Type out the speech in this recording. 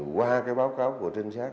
qua cái báo cáo của trinh sát